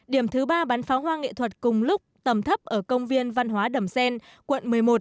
điểm thứ ba bắn pháo hoa nghệ thuật cùng lúc tầm thấp ở công viên văn hóa đầm xen quận một mươi một